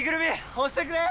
押してくれー！